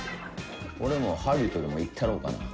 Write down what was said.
俺もハリウッドでも行ったろうかな。